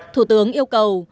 thủ tướng yêu cầu